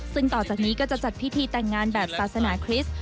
ซึ่งต่อจากนี้ก็จะจัดพิธีแต่งงานแบบศาสนาคริสต์